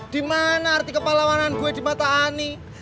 dimana arti kepala warna gue di mata ani